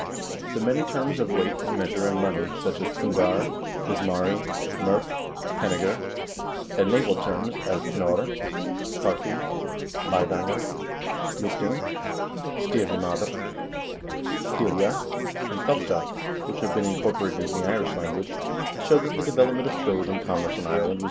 1 The many terms of weight and measure and money, such as pundar, bismari, mqrk, pennigr ; and naval terms, as knQrr, karfi, leidangr, lypling, sty'rima'dr, pilja, and popta, which have been incorporated in the Irish language, show that the development of trade and commerce in Ireland was due to the Norsemen.